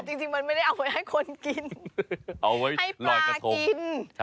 จริงมันไม่ได้เอาไว้ให้คนกินเอาไว้ให้ปลากิน